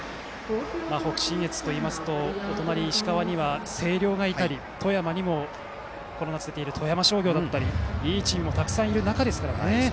北信越といいますとお隣、石川には星稜がいたり富山にも、この夏、出ている富山商業だったりいいチームもたくさんいる中ですからね。